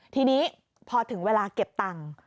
ทีนี้พอถึงเวลาเก็บตังค์